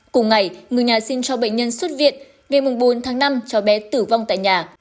cùng ngày người nhà xin cho bệnh nhân xuất viện ngày bốn tháng năm cháu bé tử vong tại nhà